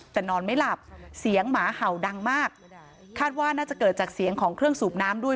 แต่นอนไม่หลับเสียงหมาเห่าดังมากคาดว่าน่าจะเกิดจากเสียงของเครื่องสูบน้ำด้วย